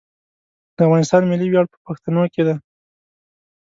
د افغانستان ملي ویاړ په پښتنو کې دی.